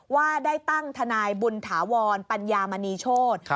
ว่าได้ตั้งทนายบุญถาวรปัญญามณีโชธ